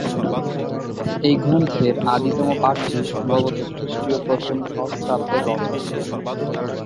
এই গ্রন্থের আদিতম পাঠটি সম্ভবত খ্রিস্টীয় প্রথম সহস্রাব্দের রচনা।